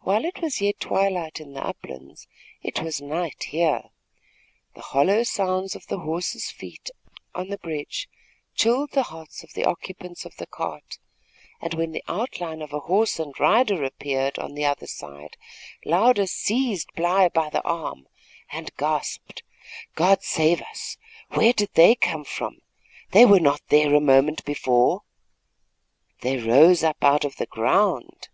While it was yet twilight in the uplands, it was night here. The hollow sounds of the horse's feet on the bridge chilled the hearts of the occupants of the cart, and when the outline of a horse and rider appeared on the other side, Louder seized Bly by the arm and gasped: "God save us! Where did they come from? They were not there a moment before." "They rose up out of the ground."